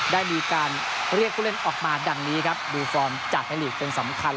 ได้มีการเรียกผู้เล่นออกมาดังนี้ครับดูฟอร์มจากไทยลีกเป็นสำคัญ